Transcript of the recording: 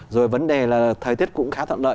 rồi vấn đề là thời tiết cũng khá thuận lợi